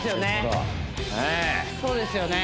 そうですよね